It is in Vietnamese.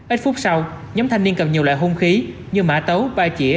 ít phút sau nhóm thanh niên cầm nhiều loại hung khí như mã tấu ba chỉa